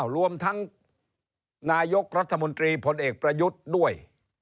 รวมทั้งนายกรัฐมนตรีพลเอกประยุทธ์ด้วย